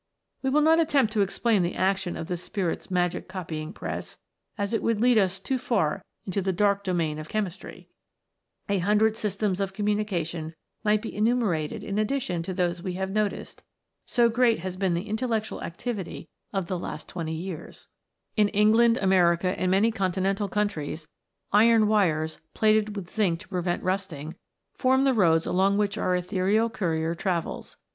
We will not attempt to explain the action of the Spirit's magic copying press, as it would lead us too far into the dark domain of chemistry. A hundred systems of communication might be enumerated in addition to those we have noticed, * Bain's Printing Telegraph, t Bakewell's Copying Telegraph. THE AMBER SPIRIT. 23 so great has been the intellectual activity of the last twenty years. In England, America, and many continental countries, iron wires, plated with zinc to prevent rusting, form the roads along which our ethereal courier travels.